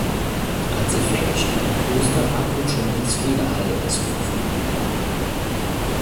Als Effekt steht ein großer "Accutronics-Federhall" zur Verfügung.